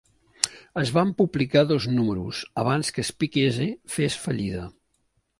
Es van publicar dos números abans que Speakeasy fes fallida.